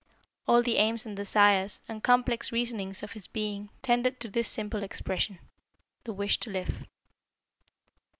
All the aims and desires and complex reasonings of his being tended to this simple expression the wish to live.